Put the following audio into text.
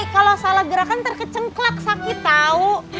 kalau salah gerakan ntar kecengklak sakit tau